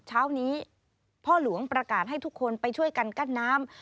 เช้านี้พ่อหลวงประกาศให้ทุกคนไปช่วยกันกั้นน้ำ